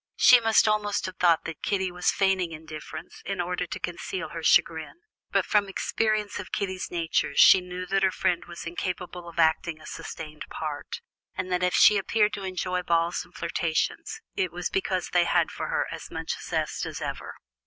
She might almost have thought that Kitty was feigning indifference, in order to conceal her chagrin, but from experience of Kitty's nature she knew that her friend was incapable of acting a sustained part, and that if she appeared to enjoy balls and flirtations, it was because they had for her as much zest as ever.